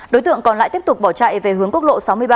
đối tượng còn lại tiếp tục bỏ chạy về hướng quốc lộ sáu mươi ba